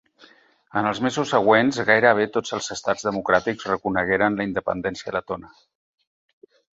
En els mesos següents gairebé tots els estats democràtics reconegueren la independència letona.